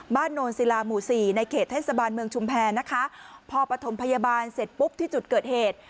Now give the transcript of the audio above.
โนนศิลาหมู่สี่ในเขตเทศบาลเมืองชุมแพรนะคะพอปฐมพยาบาลเสร็จปุ๊บที่จุดเกิดเหตุ